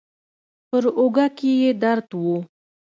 پر اوږه کې يې درد و.